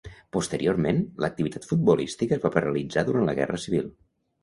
Posteriorment, l'activitat futbolística es va paralitzar durant la guerra civil.